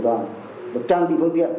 được trang bị phương tiện